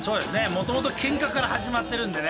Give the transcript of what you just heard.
もともとけんかから始まってるんでね